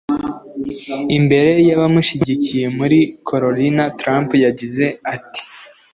Imbere y’abamushyigikiye muri Carolina Trump yagize ati